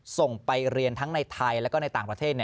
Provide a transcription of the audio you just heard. ส่งไปเรียนทั้งในไทยและก็ในต่างประเทศ